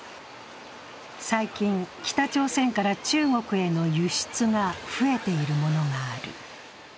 最近、北朝鮮から中国への輸出が増えているものがある。